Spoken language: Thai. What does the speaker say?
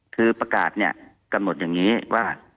คือประกาศเนี่ยกำหนดอย่างนี้ว่า